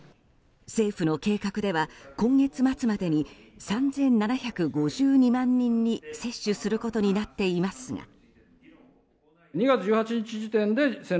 政府の計画では今月末までに３７５２万人に接種することになっていますが。